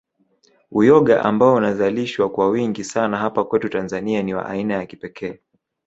Uyoga ambao unazalishwa kwa wingi sana hapa kwetu Tanzania ni wa aina ya kipekee